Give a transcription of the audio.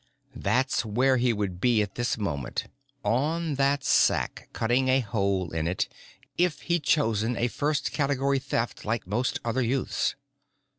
That's where he would be at this moment, on that sack, cutting a hole in it, if he'd chosen a first category Theft like most other youths.